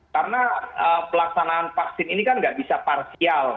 karena pelaksanaan vaksin ini kan nggak bisa parsial